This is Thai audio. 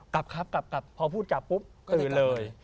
กลับครับกลับพอพูดจับปุ๊บตื่นเลย